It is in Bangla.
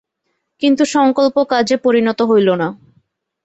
কিন্তু সংকল্প কাজে পরিণত হইল না।